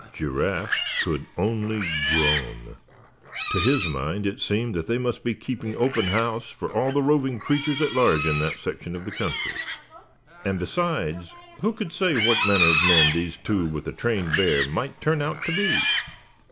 Giraffe could only groan. To his mind it seemed that they must be keeping open house for all the roving creatures at large in that section of the country. And besides, who could say what manner of men these two with the trained bear might turn out to be?